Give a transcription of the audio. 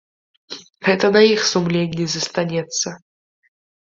Гэта на іх сумленні застанецца.